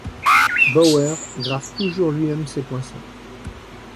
Bauer grave toujours lui-même ses poinçons.